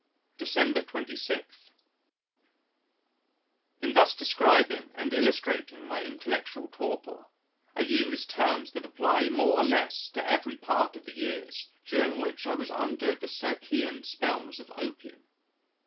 December 26. "In thus describing and illustrating my intellectual torpor, I use terms that apply more or less to every part of the years during which I was under the Circean spells of opium.